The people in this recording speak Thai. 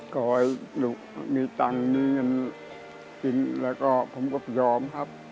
ขอให้ลูกมีตังค์มีเงินกินแล้วก็ผมก็ยอมครับ